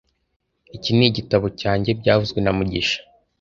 Iki ni ibitabo cyanjye byavuzwe na mugisha